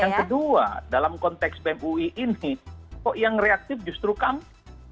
yang kedua dalam konteks bemui ini kok yang reaktif justru kamu